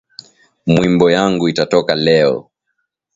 Mwimbo yangu itatoka leo